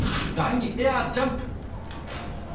第２エア、ジャンプ！